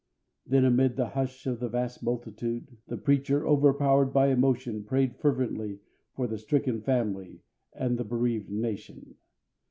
Then amid the hush of the vast multitude the preacher, overpowered by emotion, prayed fervently for the stricken family and the bereaved nation.